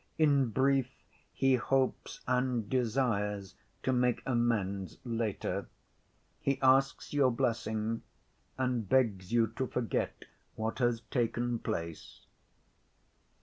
In brief, he hopes and desires to make amends later. He asks your blessing, and begs you to forget what has taken place."